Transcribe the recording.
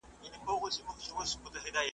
په ویښه او په خوب مي دا یو نوم پر زړه اورېږي .